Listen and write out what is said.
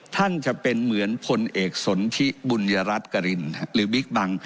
ท่านจะเป็นเหมือนพลเอกสนทิบุญยรัฐกรินหรือบิ๊กบัง